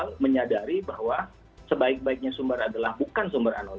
sebaik baiknya sumber adalah bukan sumber anonim